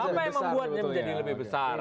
apa yang membuatnya menjadi lebih besar